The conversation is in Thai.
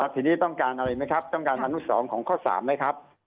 ทีนี้ต้องการอะไรไหมครับต้องการอนุ๒ของข้อ๓ไหมครับ